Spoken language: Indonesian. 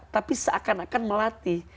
tapi seakan akan melatih